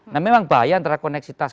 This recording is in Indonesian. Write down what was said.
nah memang bahaya antara koneksitas